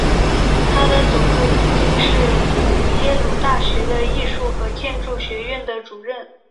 她的祖父曾经是耶鲁大学的艺术和建筑学院的主任。